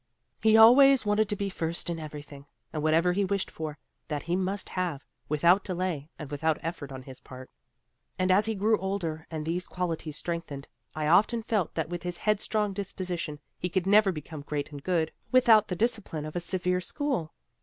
He always wanted to be first in everything, and whatever he wished for, that he must have, without delay and without effort on his part. And as he grew older and these qualities strengthened, I often felt that with his headstrong disposition he could never become great and good, without the discipline of a severe school.